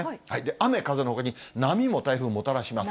雨風のほかに波も台風、もたらします。